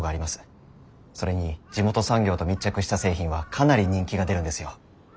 それに地元産業と密着した製品はかなり人気が出るんですよ。